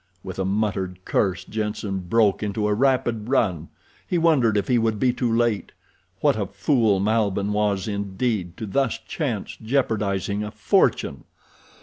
With a muttered curse Jenssen broke into a rapid run. He wondered if he would be too late. What a fool Malbihn was indeed to thus chance jeopardizing a fortune!